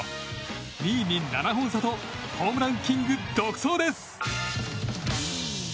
２位に７本差とホームランキング独走です。